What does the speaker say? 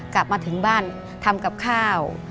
กลับมาถึงบ้านทำกับข้าว